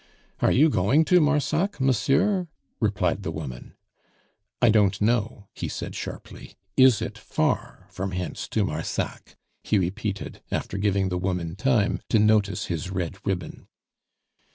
"Are you going to Marsac, monsieur?" replied the woman. "I don't know," he said sharply. "Is it far from hence to Marsac?" he repeated, after giving the woman time to notice his red ribbon.